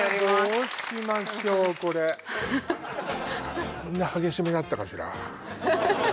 どうしましょうこれこんな激しめだったかしら？